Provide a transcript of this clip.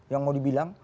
yang mau dibilang